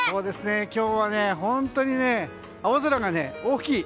今日は本当に青空が大きい！